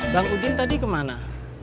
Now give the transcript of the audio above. bang udin tadi kemana